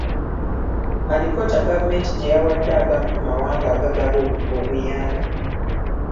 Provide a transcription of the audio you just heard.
Alipoota gavumenti gye yawadde agamu ku mawanga agagaba obuyambi .